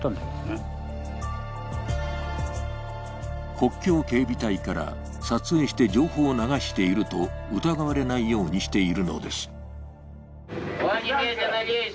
国境警備隊から撮影して情報を流していると疑われないようにしているのです。